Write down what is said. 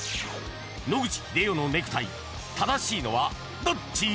野口英世のネクタイ正しいのはどっち？